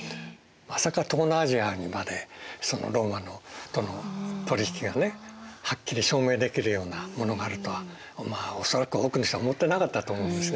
まさか東南アジアにまでそのローマとの取り引きがねはっきり証明できるようなものがあるとはまあ恐らく多くの人は思ってなかったと思うんですね。